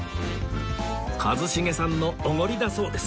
一茂さんのおごりだそうです